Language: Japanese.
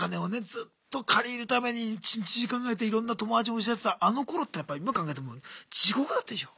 ずっと借りるために一日中考えていろんな友達も失ってたあのころってやっぱ今考えても地獄だったでしょ？